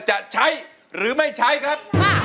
จะใช้หรือไม่ใช้ครับ